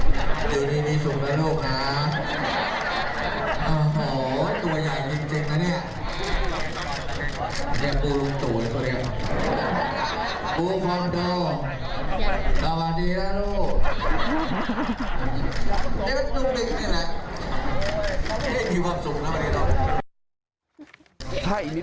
ลูกค้าโอ้โฮตัวใหญ่จริงน่ะนี่